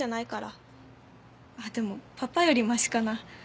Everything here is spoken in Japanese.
あっでもパパよりマシかな。